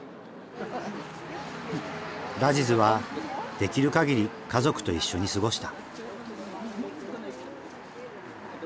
ラジズはできるかぎり家族と一緒に過ごした。